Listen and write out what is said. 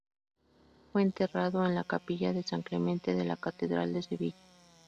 Fue enterrado en la capilla de san Clemente de la catedral de Sevilla.